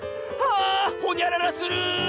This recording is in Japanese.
あほにゃららする！